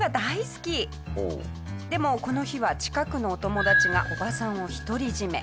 でもこの日は近くのお友達がおばさんを独り占め。